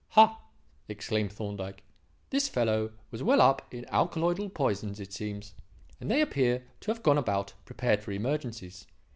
"Ha!" exclaimed Thorndyke, "this fellow was well up in alkaloidal poisons, it seems; and they appear to have gone about prepared for emergencies.